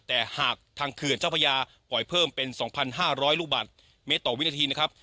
แต่หากทางเขื่อนเจ้าพระยาปล่อยเพิ่มเป็น๒๕๐๐ลูกบาทเมตรต่อวินาทีนะครับ